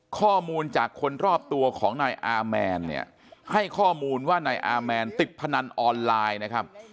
ข้อมูลจากคนรอบตัวของนายอาแมนเนี่ยให้ข้อมูลว่านายอาแมนติดพนันออนไลน์นะครับ